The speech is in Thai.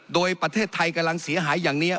โดยประเทศไทยกำลังเสียหายอย่างนี้